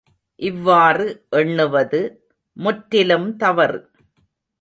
இவ்வாறு எண்ணுவது முற்றிலும் தவறு.